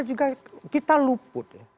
juga kita luput